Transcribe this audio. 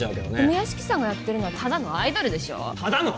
梅屋敷さんがやってるのはただのアイドルでしょただの？